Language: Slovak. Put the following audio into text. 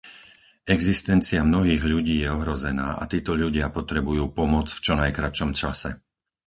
Existencia mnohých ľudí je ohrozená a títo ľudia potrebujú pomoc v čo najkratšom čase.